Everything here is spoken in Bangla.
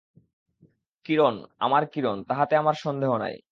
কিরণ, আমার কিরণ, তাহাতে আমার সন্দেহ নাই।